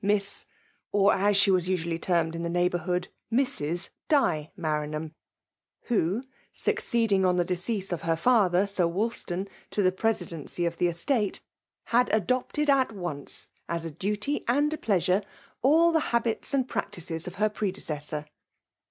Miss, or as she was usually termed in the neigfabourhaed Mrs. Di Maranham, who, succeeding on the decease of her father. Sir Wolstan, to the pre sidency of the estate, had adopted at once, as a duty and a pleasure, all the habits and prac tices of her predecessor.